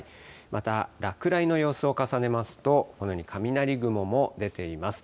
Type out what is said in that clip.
また、落雷の様子を重ねますと、このように雷雲も出ています。